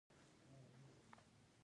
ایا زه باید پخلاینه وکړم؟